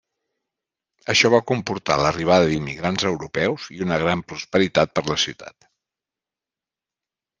Això va comportar l'arribada d'immigrants europeus i una gran prosperitat per a la ciutat.